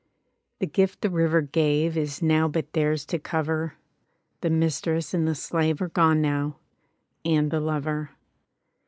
The gift the river gave Is now but theirs to cover: The mistress and the slave Are gone now, and the lover.